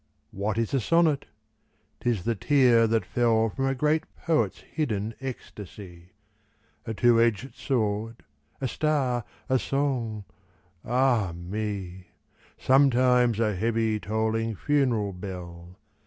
What is a sonnet ? 'T is the tear that fell From a great poet's hidden ecstasy ; A two edged sword, a star, a song — ah me I Sometimes a heavy tolling funeral bell.